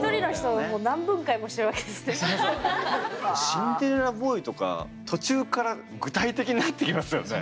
「シンデレラボーイ」とか途中から具体的になってきますよね。